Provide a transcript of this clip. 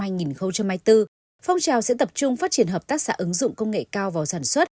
phong trào sẽ tập trung phát triển hợp tác xã ứng dụng công nghệ cao vào sản xuất